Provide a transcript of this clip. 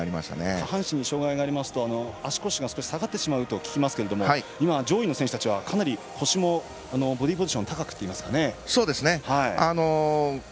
下半身に障害がありますと足腰が少し下がってしまうと聞きますが上位の選手たちはかなり、腰もボディーポジション高くといいますか。